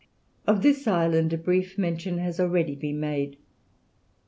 Of this island a brief mention has already been made.